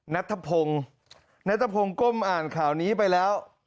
ณทะพงณทะพงก้มอ่านข่าวนี้ไปแล้ว